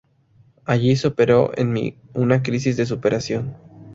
Allí se operó en mí una crisis de superación.